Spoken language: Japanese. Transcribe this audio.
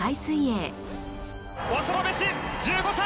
恐るべし１５歳！